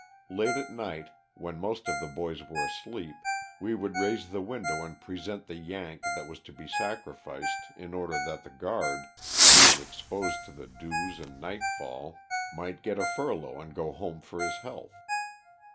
Late at night, when most of the boys were asleep, we would raise the window and present the '' Yank " that was to be sacrificed in order that the guard, who was exposed to the dews and night fall, might get a furlough and go home for his health.